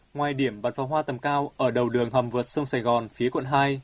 ngoài điểm bật vào hoa tầm cao ở đầu đường hòm vượt sông sài gòn phía quận hai